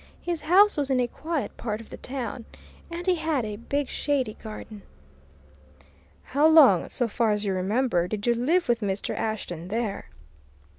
His house was in a quiet part of the town, and he had a big, shady garden." "How long, so far as you remember, did you live with Mr. Ashton there?"